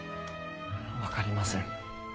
分かりません。